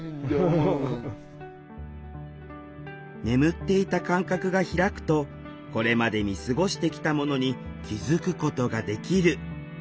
眠っていた感覚がひらくとこれまで見過ごしてきたものに気付くことができる。